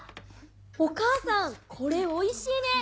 お母さんこれおいしいね！